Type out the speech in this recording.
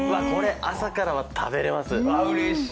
これ、朝から食べれます。